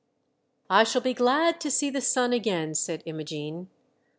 " I shall be glad to see the sun again," said Imogene.